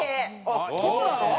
あっそうなの？